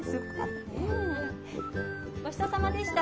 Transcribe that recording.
ごちそうさまでした。